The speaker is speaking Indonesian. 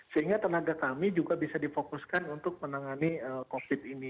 sehingga tenaga kami juga bisa difokuskan untuk menangani covid ini